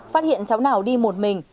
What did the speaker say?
phát hiện cháu nào đi một mình